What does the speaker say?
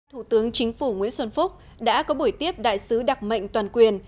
thủ tướng chính phủ nguyễn xuân phúc đã có buổi tiếp đại sứ đặc mệnh toàn quyền